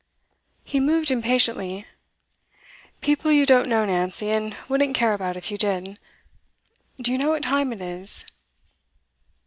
He moved impatiently. 'People you don't know, Nancy, and wouldn't care about if you did. Do you know what time it is?